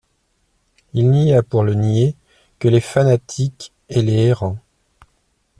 Il n'y a pour le nier que les fanatiques et les errants.